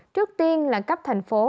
trước tiên là cấp thành phố